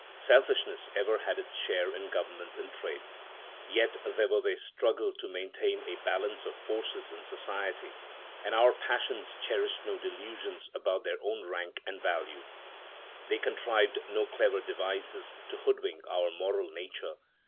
Selfishness ever had its share in government and trade. Yet there was a struggle to maintain a balance of forces in society; and our passions cherished no delusions about their own rank and value. They contrived no clever devices to hoodwink our moral nature.